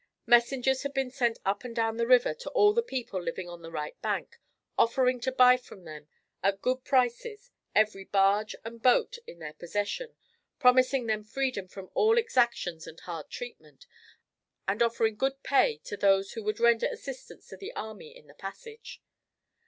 Messengers had been sent up and down the river to all the people living on the right bank, offering to buy from them at good prices every barge and boat in their possession, promising them freedom from all exactions and hard treatment, and offering good pay to those who would render assistance to the army in the passage.